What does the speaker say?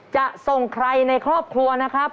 จะส่งใครในครอบครัวนะครับ